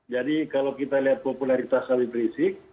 jadi kalau kita lihat popularitas habib rizik